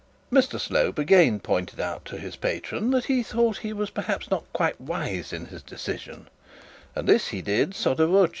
Mr Slope again pointed out to his patron that he thought he was perhaps not quite wise in his decision, and this he did sotto voce.